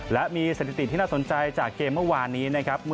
และมีสถิติที่น่าสนใจจากเกมเมื่อวานนี้นะครับ